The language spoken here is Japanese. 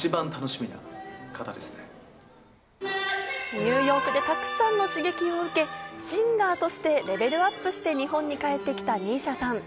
ニューヨークでたくさんの刺激を受け、シンガーとしてレベルアップして日本に帰ってきた美依紗さん。